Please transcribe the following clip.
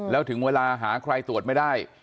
แล้วถึงเวลาหาใครตรวจไม่ได้